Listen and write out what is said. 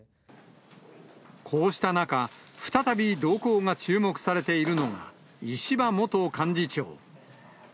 こうした中、再び動向が注目されているのが、石破元幹事長。